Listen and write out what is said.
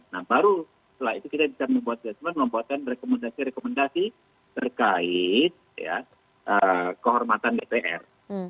nah baru setelah itu kita bisa membuatkan rekomendasi rekomendasi terkait kehormatan dpr